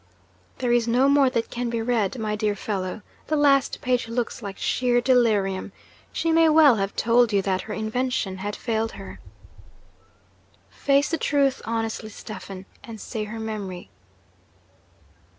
'There is no more that can be read, my dear fellow. The last page looks like sheer delirium. She may well have told you that her invention had failed her!' 'Face the truth honestly, Stephen, and say her memory.'